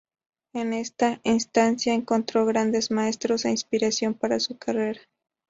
En esta instancia encontró grandes maestros e inspiración para su carrera.